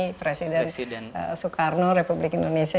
yang presiden soekarno republik indonesia yang presiden soekarno republik indonesia